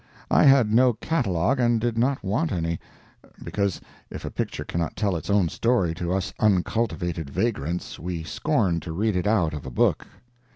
I had no catalogue, and did not want any—because, if a picture cannot tell its own story to us uncultivated vagrants, we scorn to read it out of a book.